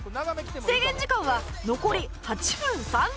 制限時間は残り８分３０秒